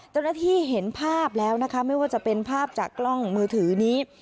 เจ้าหน้าที่เห็นภาพแล้วนะคะไม่ว่าจะเป็นภาพจากกล้องมือถือนี้